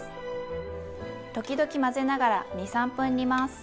ときどき混ぜながら２３分煮ます。